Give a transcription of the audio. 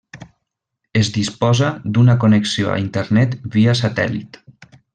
Es disposa d'una connexió a internet via satèl·lit.